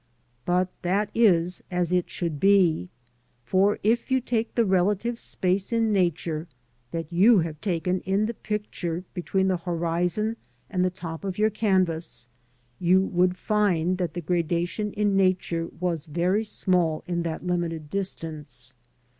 But that is as it should be; for if you take the relative space in Nature that you have taken in the picture between the horizon and the top of your canvas, you would find that the gradation in Nature was very small in that limited distance.